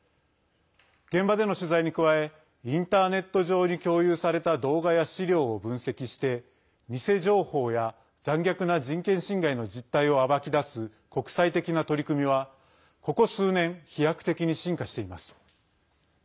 現場での取材に加えインターネット上に共有された動画や資料を分析して偽情報や残虐な人権侵害の実態を暴きだす国際的な取り組みはここ数年飛躍的に進化しています。